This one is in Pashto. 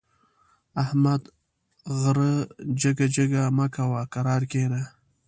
احمده! غره جګه جګه مه کوه؛ کرار کېنه.